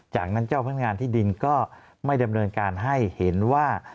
จากนั้นเจ้าพนักงานที่ดินก็ไม่ดำเนินการให้เห็นว่า